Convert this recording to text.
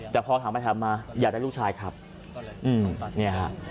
แต่พอถามไปถามมาอยากได้ลูกชายครับเนี่ยฮะ